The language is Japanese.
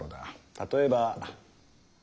例えば。